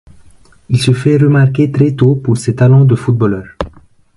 Il se fait remarquer très tôt pour ses talents de footballeur.